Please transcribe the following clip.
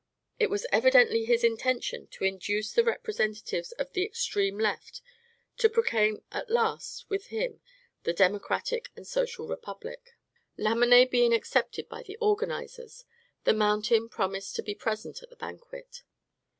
It was evidently his intention to induce the representatives of the Extreme Left to proclaim at last with him the Democratic and Social Republic. Lamennais being accepted by the organizers, the Mountain promised to be present at the banquet.